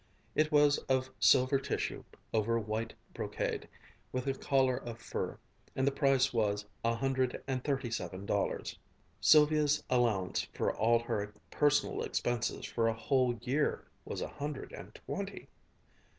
It was of silver tissue over white brocade, with a collar of fur, and the price was a hundred and thirty seven dollars. Sylvia's allowance for all her personal expenses for a whole year was a hundred and twenty.